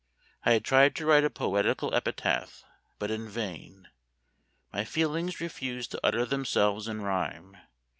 I had tried to write a poetical epitaph, but in vain. My feelings refused to utter themselves in rhyme.